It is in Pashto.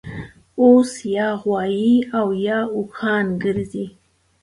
اوس یا غوایي اویا اوښان ګرځي